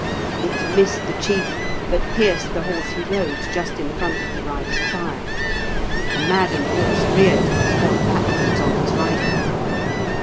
It missed the chief, but pierced the horse he rode just in front of the rider's thigh. The maddened horse reared and fell backwards on his rider.